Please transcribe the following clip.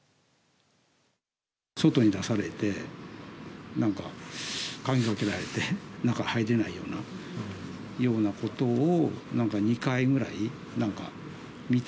外に出されて、なんか、鍵かけられて、中入れないようなことをなんか２回ぐらい、なんか見た。